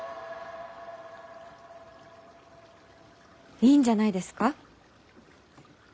いいんじゃないですか？